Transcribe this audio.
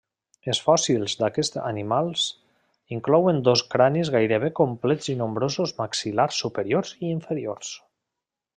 Els fòssils d'aquests animals inclouen dos cranis gairebé complets i nombrosos maxil·lars superiors i inferiors.